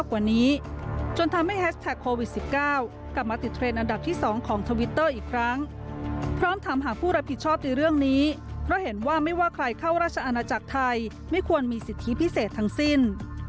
ว่าใครเข้าราชอาณาจักรไทยไม่ควรมีสิทธิพิเศษทั้งสิ้น